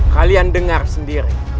kalian dengar sendiri